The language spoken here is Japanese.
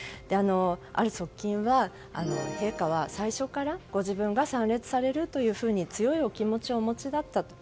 ある側近は、陛下は最初からご自分が参列されると強いお気持ちをお持ちだったと。